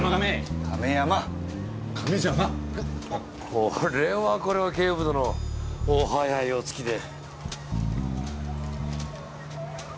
これはこれは警部殿お早いお着きで。